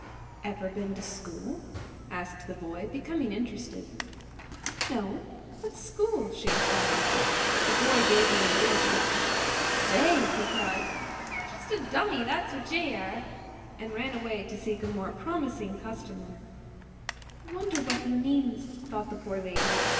"Ever ben to school?" asked the boy, becoming interested. "No; what's school?" she inquired. The boy gave her an indignant look. "Say!" he cried, "ye'r just a dummy, that's wot ye are!" and ran away to seek a more promising customer. "I wonder that he means," thought the poor lady.